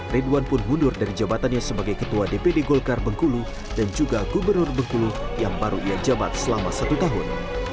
ridwan pun mundur dari jabatannya sebagai ketua dpd golkar bengkulu dan juga gubernur bengkulu yang baru ia jabat selama satu tahun